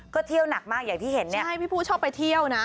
ก็เที่ยวหนักมากอย่างที่เห็นเนี่ยใช่พี่ผู้ชอบไปเที่ยวนะ